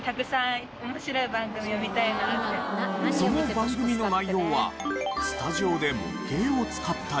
その番組の内容はスタジオで模型を使ったり。